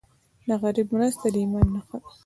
د غریب مرسته د ایمان نښه ده.